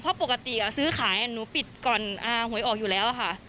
เพราะปกติซื้อขายหนูปิดก่อนหวยออกอยู่แล้วค่ะ